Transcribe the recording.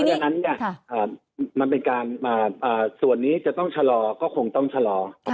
เพราะฉะนั้นส่วนนี้จะต้องชะลอก็คงต้องชะลอ